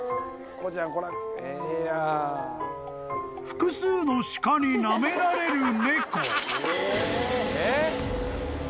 ［複数の鹿になめられる猫］